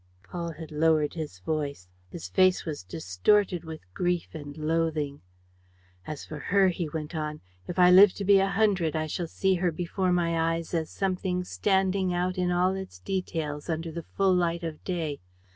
Paul had lowered his voice. His face was distorted with grief and loathing. "As for her," he went on, "if I live to be a hundred, I shall see her before my eyes as something standing out in all its details under the full light of day.